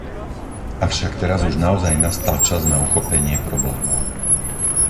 Avšak teraz už naozaj nastal čas na uchopenie problémov.